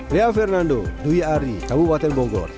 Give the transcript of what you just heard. ria fernando duy ari kabupaten bonggor